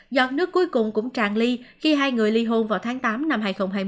giọt nước cuối cùng cũng tràn ly khi hai người li hôn vào tháng tám năm hai nghìn hai mươi